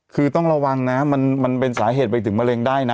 คือต้องระวังนะมันเป็นสาเหตุไปถึงมะเร็งได้นะ